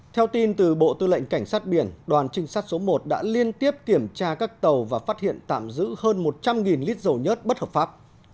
theo tin từ bộ tư lệnh cảnh sát biển đoàn trinh sát số một đã liên tiếp kiểm tra các tàu và phát hiện tạm giữ hơn một trăm linh lít dầu nhất bất hợp pháp